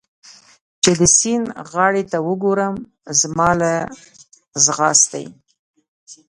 چې د سیند غاړې ته وګورم، زما له ځغاستې.